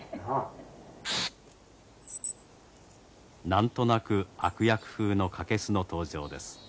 何となく悪役風のカケスの登場です。